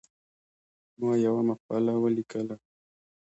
ما یوه مقاله ولیکله.